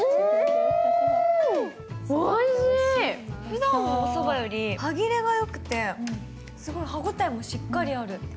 ふだんのおそばより歯切れがよくてすごい歯応えがしっかりある。